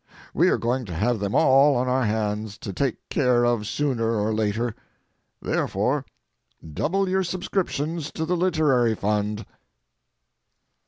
We are going to have them all on our hands to take care of sooner or later. Therefore, double your subscriptions to the literary fund!